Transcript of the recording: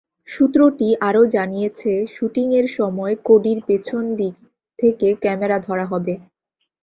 সূত্রটি আরও জানিয়েছে, শুটিংয়ের সময় কডির পেছন দিক থেকে ক্যামেরা ধরা হবে।